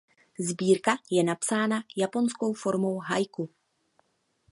Sbírka je napsána japonskou formou haiku.